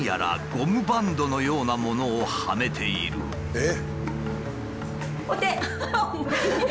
えっ！